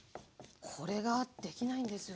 これができないんですよね。